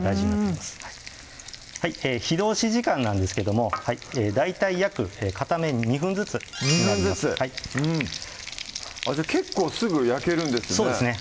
うん火通し時間なんですけども大体約片面２分ずつになりますじゃあ結構すぐ焼けるんですね